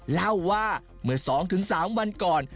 เล่าว่าเมื่อสองถึงสามวันก่อน